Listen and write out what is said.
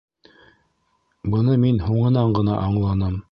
Быны мин һуңынан ғына аңланым.